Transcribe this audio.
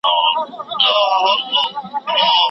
په شېلو کي پړانګ په منډو کړ ځان ستړی